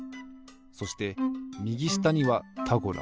そしてみぎしたには「タゴラ」。